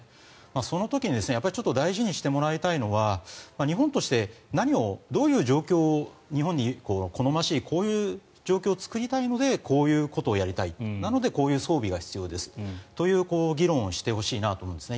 その時に大事にしてもらいたいのは日本として何をどういう状況を日本に好ましいこういう状況を作りたいのでこういうことをやりたいなのでこういう装備が必要という議論をしてほしいんですね。